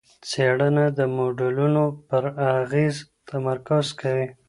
څېړنه د موډلونو پر اغېز تمرکز کوي.